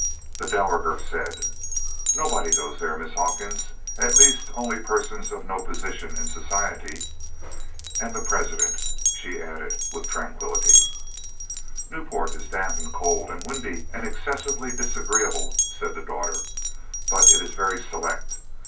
The dowager said: "Nobody goes there, Miss Hawkins at least only persons of no position in society. And the President." She added that with tranquility. "Newport is damp, and cold, and windy and excessively disagreeable," said the daughter, "but it is very select.